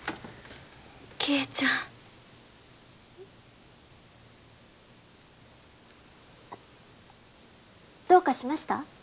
希恵ちゃん。どうかしました？